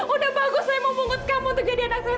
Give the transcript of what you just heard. udah bagus saya mau pungut kamu untuk jadi anak saya